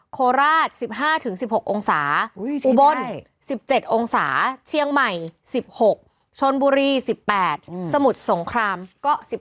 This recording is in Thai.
โคราช๑๕๑๖องศาอุบล๑๗องศาเชียงใหม่๑๖ชนบุรี๑๘สมุทรสงครามก็๑๔